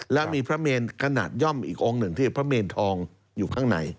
แล้วมีพระเมนขนาดย่อมอีกองค์หนึ่งที่พระเมนทองอยู่ข้างใน